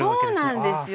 そうなんですよ。